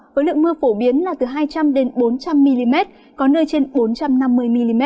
với lượng mưa phổ biến là từ hai trăm linh bốn trăm linh mm có nơi trên bốn trăm năm mươi mm